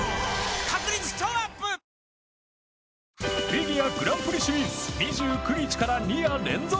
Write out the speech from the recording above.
フィギュアグランプリシリーズ２９日から２夜連続！